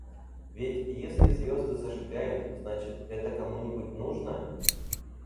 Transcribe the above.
Ведь, если звезды зажигают — значит – это кому-нибудь нужно?